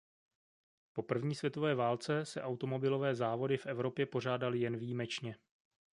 Po první světové válce se automobilové závody v Evropě pořádaly jen výjimečně.